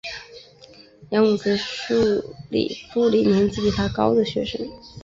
杨武之是数理部里年级比他高的同学。